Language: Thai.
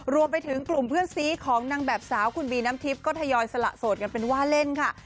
รวมไปถึงกลุ่มเพื่อนซีของนางแบบสาวคุณบีน้ำทิพย์ก็ทยอยสละโสดกันเป็นว่าเล่นค่ะ